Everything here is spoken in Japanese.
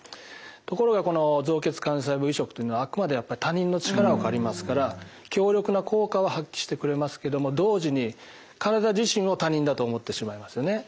ところがこの造血幹細胞移植というのはあくまで他人の力を借りますから強力な効果は発揮してくれますけども同時に体自身を他人だと思ってしまいますよね。